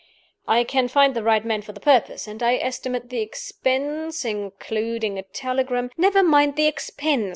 I can find the right man for the purpose; and I estimate the expense (including a telegram) " "Never mind the expense!"